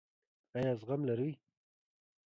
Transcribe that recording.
ایا زغم لرئ؟